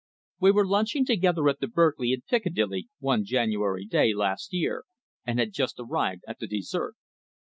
We were lunching together at the Berkeley, in Piccadilly, one January day last year, and had just arrived at the dessert.